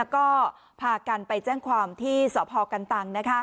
ก็พากันไปแจ้งความที่สพกันตัง